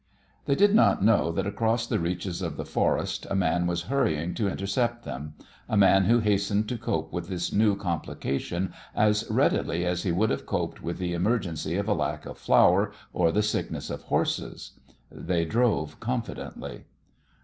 They did not know that across the reaches of the forest a man was hurrying to intercept them, a man who hastened to cope with this new complication as readily as he would have coped with the emergency of a lack of flour or the sickness of horses. They drove confidently.